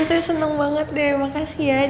saya senang banget deh makasih ya